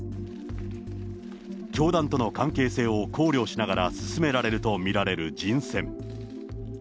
教団との関係性を考慮しながら進められると見られる人選。